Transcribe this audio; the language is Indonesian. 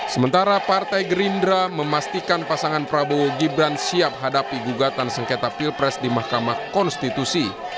sementara partai gerindra memastikan pasangan prabowo gibran siap hadapi gugatan sengketa pilpres di mahkamah konstitusi